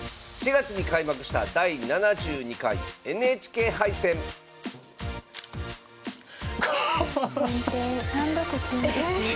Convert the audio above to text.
４月に開幕した第７２回ＮＨＫ杯戦先手３六金打。